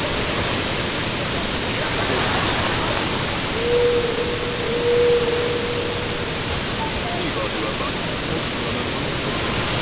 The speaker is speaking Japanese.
お楽しみにＴＶｅｒでは番組の最新話が無料で見られます